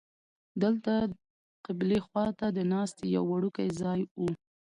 دلته قبلې خوا ته د ناستې یو وړوکی ځای و.